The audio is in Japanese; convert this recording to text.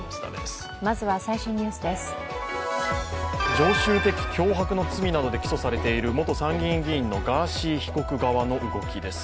常習的脅迫などの罪で起訴されている元参議院議員のガーシー被告側の動きです。